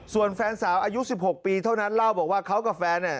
ส่วนแฟนสาวอายุ๑๖ปีเท่านั้นเล่าบอกว่าเขากับแฟน